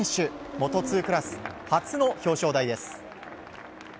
Ｍｏｔｏ２クラス初の表彰台です。